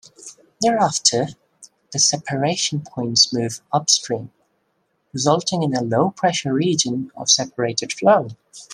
Thereafter, the separation points move upstream, resulting in a low-pressure region of separated flow.